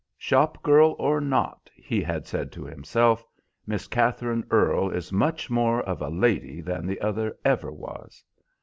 "Shop girl or not," he had said to himself, "Miss Katherine Earle is much more of a lady than the other ever was."